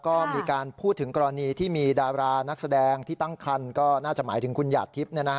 ก็มีการพูดถึงกรณีที่มีดารานักแสดงที่ตั้งคันก็น่าจะหมายถึงคุณหยาดทิพย์